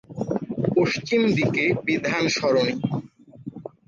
পশ্চিম দিকে বিধান সরণি।